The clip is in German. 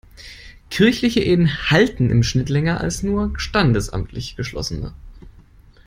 Kirchliche Ehen halten im Schnitt länger als nur standesamtlich geschlossene.